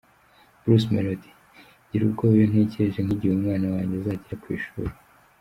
Bruce Melody: Ngira ubwoba iyo ntekereje nk’igihe umwana wanjye azagira ku ishuri.